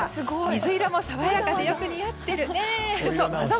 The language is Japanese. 水色もさわやかでよく似合ってるね。